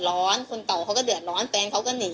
พี่ลองคิดดูสิที่พี่ไปลงกันที่ทุกคนพูด